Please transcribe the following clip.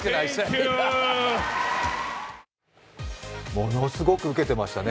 ものすごくウケてましたね。